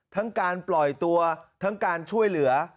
การปล่อยตัวทั้งการช่วยเหลือ